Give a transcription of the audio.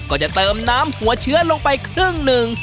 ก็จะเติมน้ำหัวเชื้อลงไปครึ่งหนึ่ง